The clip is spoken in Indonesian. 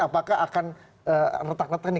apakah akan retak retak nih